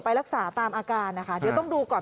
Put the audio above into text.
ไปรักษาตามอาการนะคะเดี๋ยวต้องดูก่อน